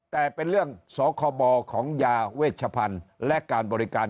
แต่เป็นเรื่องสคบของยาเวชพันธุ์และการบริการ